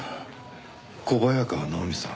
小早川奈穂美さん。